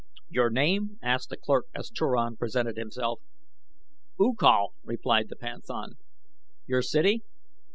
"Your name?" asked a clerk as Turan presented himself. "U Kal," replied the panthan. "Your city?"